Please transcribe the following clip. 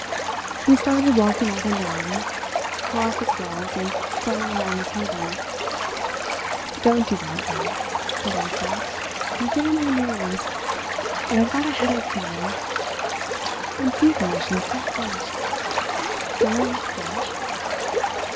He started walking up and down—tore off his gloves and flung them on the table. "Don't do that, Max," said Elsa, "you get on my nerves. And I've got a headache to day; I'm feverish and quite flushed.... Don't I look flushed?"